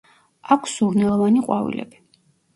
აქვს სურნელოვანი ყვავილები.